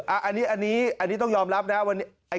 อันนี้ต้องยอมรับนะครับ